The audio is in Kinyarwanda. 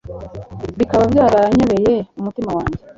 Bikaba byaranyobeye umutima wanjye